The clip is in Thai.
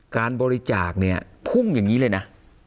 การบริจาคเนี่ยพุ่งอย่างนี้เลยนะ